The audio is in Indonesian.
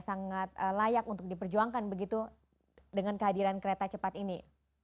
sangat layak untuk diperjuangkan begitu dengan kehadiran kereta cepat ini